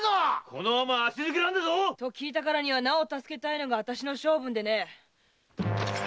このアマは足抜けなんだぞ！と聞いたからにはなお助けたいのがあたしの性分。